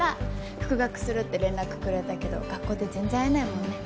復学するって連絡くれたけど学校で全然会えないもんね。